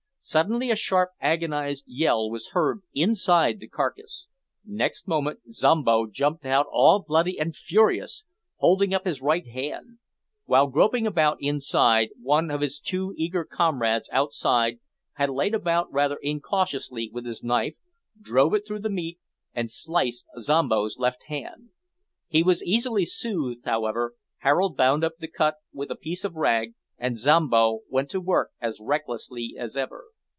Suddenly a sharp agonised yell was heard inside the carcase. Next moment Zombo jumped out all bloody and furious, holding up his right hand. While groping about inside, one of his too eager comrades outside had laid about rather incautiously with his knife, drove it through the meat and sliced Zombo's left hand. He was easily soothed, however; Harold bound up the cut with a piece of rag, and Zombo went to work as recklessly as ever.